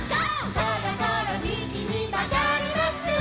「そろそろみぎにまがります」